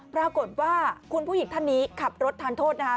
ปรากฏว่าคุณผู้หญิงท่านนี้ขับรถทานโทษนะคะ